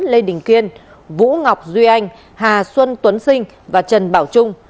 lê đình kiên vũ ngọc duy anh hà xuân tuấn sinh và trần bảo trung